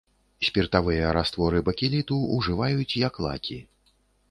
Спіртавыя растворы бакеліту ўжываюць як лакі.